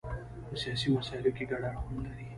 په سیاسي مسایلو کې ګډ اړخونه لري.